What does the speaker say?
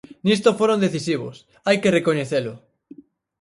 ¡Nisto foron decisivos, hai que recoñecelo!